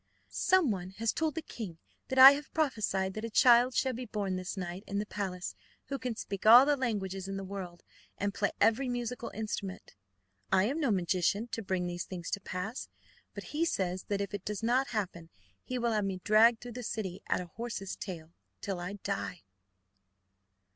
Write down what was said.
"Someone has told the king that I have prophesied that a child shall be born this night in the palace, who can speak all the languages in the world and play every musical instrument. I am no magician to bring these things to pass, but he says that if it does not happen he will have me dragged through the city at a horse's tail till I die."